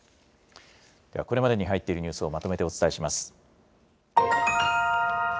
では、これまでに入っているニュースをまとめてお伝えします。